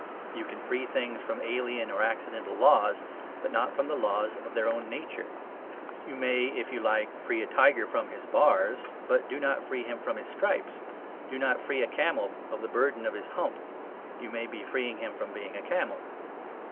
You can free things from alien or accidental laws, but not from the laws of their own nature. You may, if you like, free a tiger from his bars; but do not free him from his stripes. Do not free a camel of the burden of his hump: you may be freeing him from being a camel.